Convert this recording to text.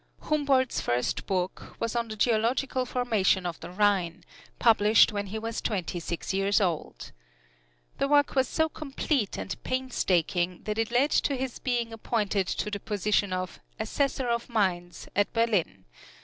Humboldt's first book was on the geological formation of the Rhine, published when he was twenty six years old. The work was so complete and painstaking that it led to his being appointed to the position of "Assessor of Mines" at Berlin.